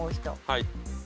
はい。